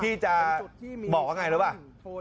พี่จะบอกว่าไงหรือเปล่า